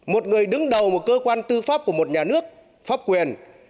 một người đứng đầu một cơ quan tư pháp của một nhà nước pháp quyền